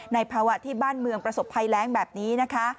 ภาวะที่บ้านเมืองประสบภัยแรงแบบนี้นะคะ